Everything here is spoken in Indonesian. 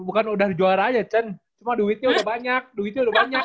bukan udah juara aja cuma duitnya udah banyak duitnya udah banyak